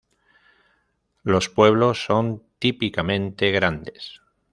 Los pueblos son típicamente grandes.